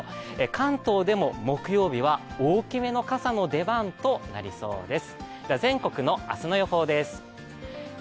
関東でも木曜日は大きめの傘の出番となりそうです。